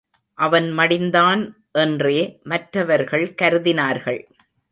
அவன் மடிந்தான் என்றே மற்றவர்கள் கருதினார்கள்.